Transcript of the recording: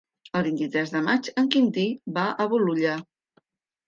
El vint-i-tres de maig en Quintí va a Bolulla.